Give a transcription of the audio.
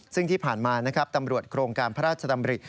ซึ่งที่ผ่านมานะครับตำรวจโครงการพระราชดำริ